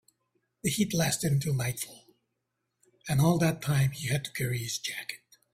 The heat lasted until nightfall, and all that time he had to carry his jacket.